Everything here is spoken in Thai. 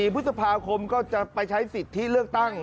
พฤษภาคมก็จะไปใช้สิทธิเลือกตั้ง